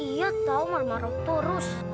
iya tau marah marah terus